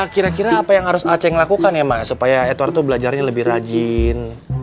kira kira apa yang harus aceh lakukan ya mbak supaya edward itu belajarnya lebih rajin